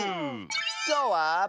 きょうは。